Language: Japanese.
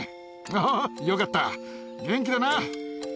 おぉよかった元気でな。